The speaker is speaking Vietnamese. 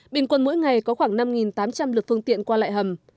bình quân mỗi ngày có khoảng năm tám trăm linh lượt phương tiện qua lại hầm